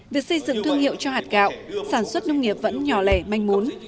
việc xây dựng thương hiệu cho hạt gạo sản xuất nông nghiệp vẫn nhỏ lẻ manh mốn